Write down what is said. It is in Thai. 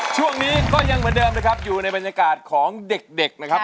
ช่วงนี้ก็ยังเหมือนเดิมนะครับอยู่ในบรรยากาศของเด็กนะครับ